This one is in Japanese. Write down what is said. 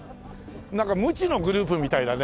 なんか無知のグループみたいだね。